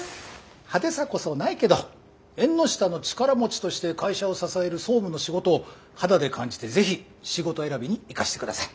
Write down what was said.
派手さこそないけど縁の下の力持ちとして会社を支える総務の仕事を肌で感じてぜひ仕事選びに生かして下さい。